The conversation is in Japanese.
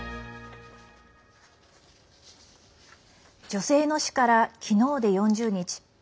女性の死から昨日で４０日。